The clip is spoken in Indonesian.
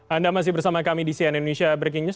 anda masih bersama kami di cnn indonesia breaking news